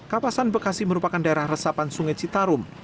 kapasan bekasi merupakan daerah resapan sungai citarum